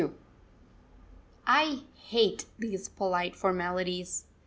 _ I hate these polite formalities.